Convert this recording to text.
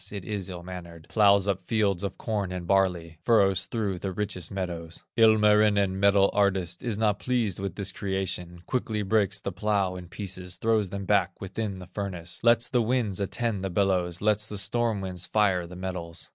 it is ill mannered, Plows up fields of corn and barley, Furrows through the richest meadows. Ilmarinen, metal artist, Is not pleased with this creation, Quickly breaks the plow in pieces, Throws them back within the furnace, Lets the winds attend the bellows, Lets the storm winds fire the metals.